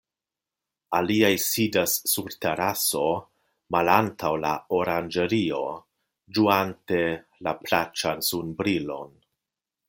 Aliaj sidas sur teraso malantaŭ la oranĝerio, ĝuante la plaĉan sunbrilon.